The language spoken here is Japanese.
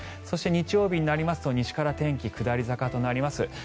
そして、日曜日になりますと西から天気下り坂となります。